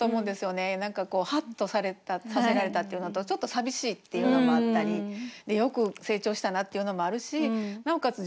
何かこうハッとさせられたっていうのとちょっと寂しいっていうのもあったりよく成長したなっていうのもあるしなおかつ